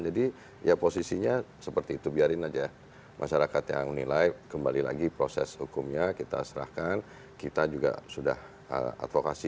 jadi ya posisinya seperti itu biarin aja masyarakat yang menilai kembali lagi proses hukumnya kita serahkan kita juga sudah advokasi